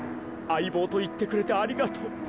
あいぼうといってくれてありがとう。